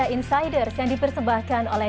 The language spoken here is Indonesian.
insiders yang dipersembahkan oleh